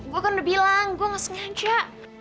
gua kan udah bilang gua ga sengaja